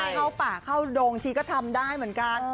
เข้าป่าเข้าโดงชีก็ทำได้เหมือนกัน